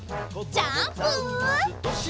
ジャンプ！